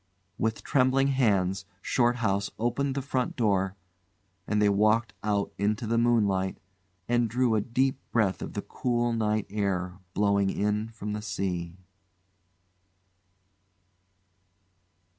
With trembling hands Shorthouse opened the front door, and they walked out into the moonlight and drew a deep breath of the cool night air blowing in from the sea.